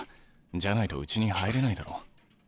じゃないとうちに入れないだろ。